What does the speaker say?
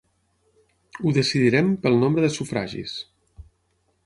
Ho decidirem pel nombre de sufragis.